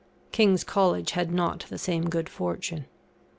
King's College had not the same good fortune.